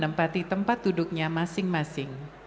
sambil disuruh duduk lagi